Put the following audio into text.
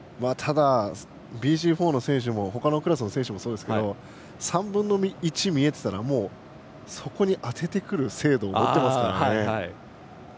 ＢＣ４の選手もほかのクラスの選手もそうですが３分の１見えてたらそこに当ててくる精度を持ってますからね。